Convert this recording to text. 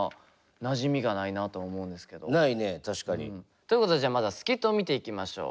確かに。ということでじゃあまずはスキットを見ていきましょう。